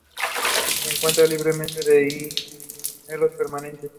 Se encuentra libre de hielos permanentes.